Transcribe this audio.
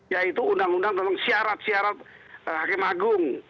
yaitu undang undang tentang syarat syarat hakim agung